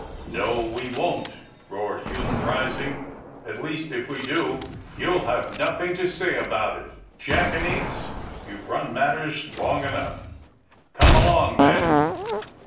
*^No, we won't!" roared Hume, rising. "At leasts if we do, you'll have nothing to say about it. Jackanapes, you've run matters long enough. Come along, men."